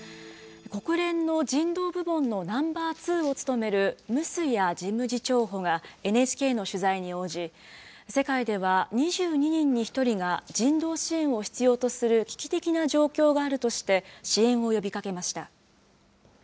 国連の人道部門のナンバー２を務めるムスヤ事務次長補がＮＨＫの取材に応じ、世界では２２人に１人が人道支援を必要とする危機的な状況があるとして、支援を呼びかけました。